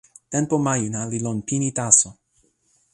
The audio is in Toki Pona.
tenpo majuna li lon pini taso.